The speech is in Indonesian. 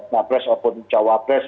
napres ataupun cawapres